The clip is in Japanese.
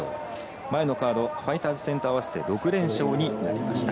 前のカードファイターズ戦と合わせて６連勝になりました。